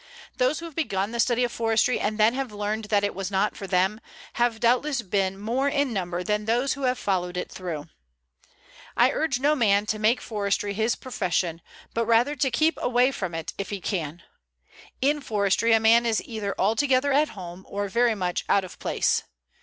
Those who have begun the study of forestry, and then have learned that it was not for them, have doubtless been more in number than those who have followed it through. I urge no man to make forestry his profession, but rather to keep away from it if he can. In forestry a man is either altogether at home or very much out of place.